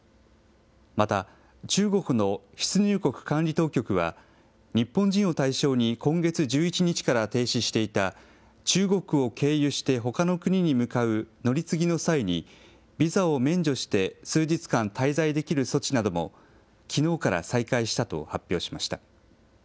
また、中国の出入国管理当局は、日本人を対象に今月１１日から停止していた中国を経由してほかの国に向かう乗り継ぎの際にビザを免除して、数日間滞在できる措置なども、きのうから再開したと発表しました。